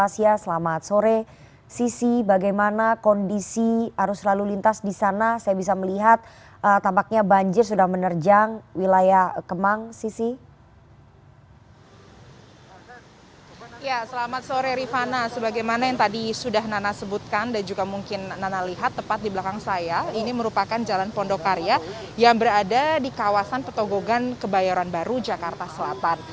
selamat sore rifana sebagaimana yang tadi sudah nana sebutkan dan juga mungkin nana lihat tepat di belakang saya ini merupakan jalan pondokarya yang berada di kawasan petogogan kebayoran baru jakarta selatan